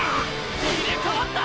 入れ替わった！！